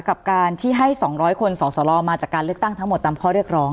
กับการที่ให้๒๐๐คนสอสลมาจากการเลือกตั้งทั้งหมดตามข้อเรียกร้อง